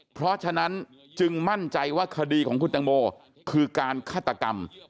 เพราะฉะนั้นจึงมั่นใจว่าคดีของคุณตังโมคือการฆาตกรรม